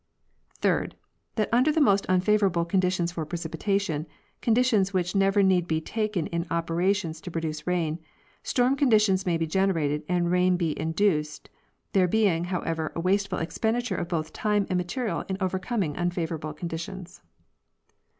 Third. That under the most unfavorable conditions for precipitation, conditions which need never be taken in operations to produce rain, storm conditions may be generated and rain be induced, there being, however, a wasteful expenditure of both time and material in overcoming unfavor able conditions.